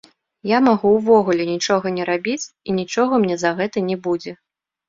Я магу ўвогуле нічога не рабіць, і нічога мне за гэта не будзе.